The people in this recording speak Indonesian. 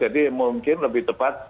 jadi mungkin lebih tepat